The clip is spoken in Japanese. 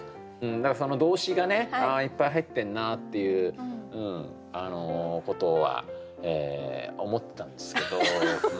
だからその動詞がねああいっぱい入ってんなっていうあのことはええ思ったんですけど。